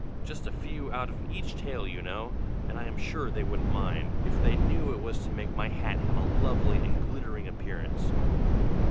Just a few out of each tail, you know; and I am sure they wouldn't mind, if they knew it was to make my hat have a lovely and glittering appearance.